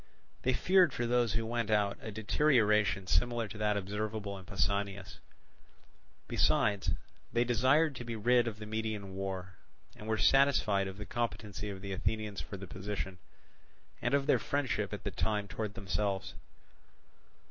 They feared for those who went out a deterioration similar to that observable in Pausanias; besides, they desired to be rid of the Median War, and were satisfied of the competency of the Athenians for the position, and of their friendship at the time towards themselves.